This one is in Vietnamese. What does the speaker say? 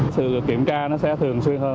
sự kiểm tra nó sẽ thường xuyên hơn